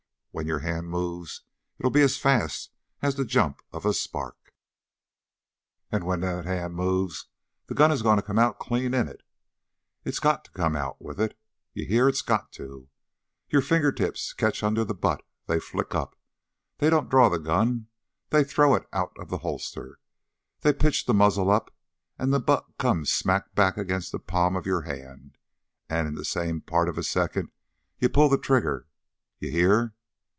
When your hand moves, it'll be as fast as the jump of a spark! And when that hand moves, the gun is going to come out clean in it. It's got to come out with it! You hear? It's got to! Your fingertips catch under the butt; they flick up. They don't draw the gun; they throw it out of the holster; they pitch the muzzle up, and the butt comes smack back against the palm of your hand. And in the same part of a second you pull the trigger. You hear?"